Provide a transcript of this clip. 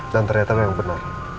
dan ternyata memang benar